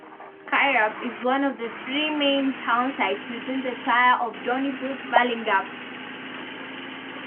Kirup is one of the three main town sites within the Shire of Donnybrook-Balingup.